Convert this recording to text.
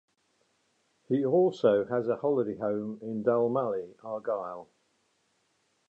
He also has a holiday home in Dalmally, Argyll.